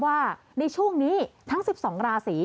ว่าในช่วงนี้ทั้ง๑๒ราศี